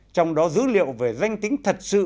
trong đó dữ liệu về danh tính thật sự